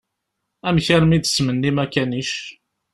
Amek armi d-tettmennim akanic?